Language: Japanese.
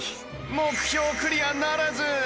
目標クリアならず！